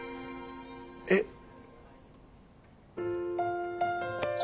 えっ？